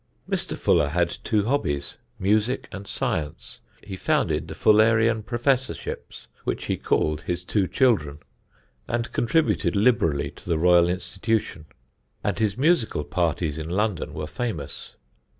Mr. Fuller had two hobbies, music and science. He founded the Fullerian professorships (which he called his two children), and contributed liberally to the Royal Institution; and his musical parties in London were famous.